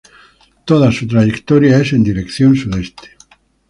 Toda su trayectoria es en dirección sudeste.